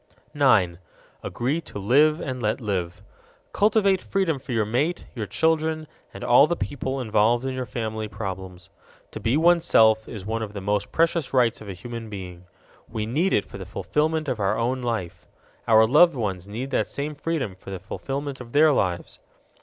9. Agree to live and let live. Cultivate freedom for your mate, your children, and all the people involved in your family problems. To be oneself is one of the most precious rights of a human being. We need it for the fulfillment of our own life. Our loved ones need that same freedom for the fulfillment of their lives.